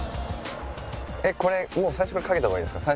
これ最初からかけた方がいいですか？